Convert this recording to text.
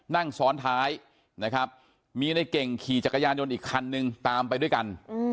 นั่งซ้อนท้ายนะครับมีในเก่งขี่จักรยานยนต์อีกคันนึงตามไปด้วยกัน